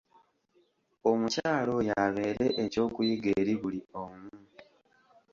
Omukyala oyo abeere eky'okuyiga eri buli omu.